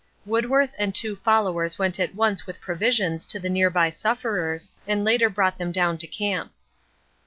Woodworth and two followers went at once with provisions to the near by sufferers, and later brought them down to camp.